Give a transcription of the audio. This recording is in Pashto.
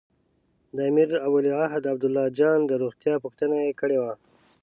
د امیر او ولیعهد عبدالله جان د روغتیا پوښتنه یې کړې وه.